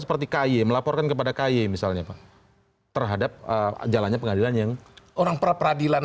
seperti kaye melaporkan kepada kaye misalnya terhadap jalannya pengadilan yang orang peradilan